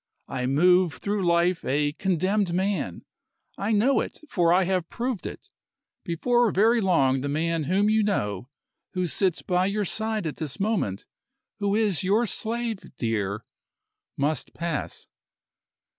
I move through life a condemned man. I know it for I have proved it. Before very long the man whom you know, who sits by your side at this moment, who is your slave, dear, must pass."